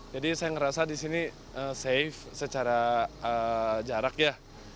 jadi saya ngerasa di sini safe secara jarak ya